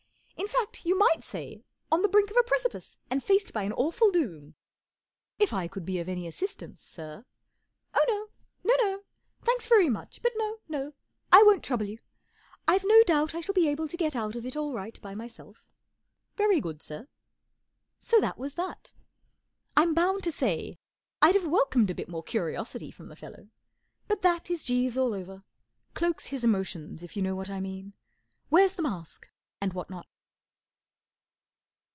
In fact, you might say on the brink of a precipice, and faced by an awful doom/* 44 If I could be of any assistance, sir " 44 Oh, no. No, no. Thanks very much, but no, no. I won't trouble you. Tve no doubt I shall be able to get out of it all right by myself.'* 4 Very good, sir." So that was that. I'm bound to say I'd have welcomed a bit more curiosity from the "fellow, but that is Jeeves all over. Cloaks his emotions, if you know what I mean. Wears the mask and what not.